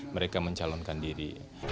mereka mencalonkan diri